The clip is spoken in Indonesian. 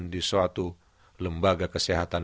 di suatu lembaga kesehatan